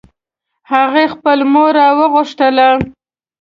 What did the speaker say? هغې خپل مور راوغوښتله